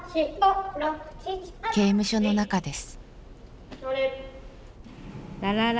刑務所の中です。